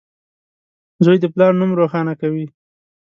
• زوی د پلار نوم روښانه کوي.